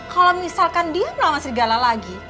kalau misalkan dia melawan serigala lagi